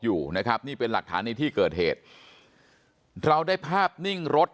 อยู่นะครับนี่เป็นหลักฐานในที่เกิดเหตุเราได้ภาพนิ่งรถ